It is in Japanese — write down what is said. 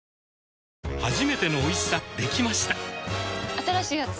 新しいやつ？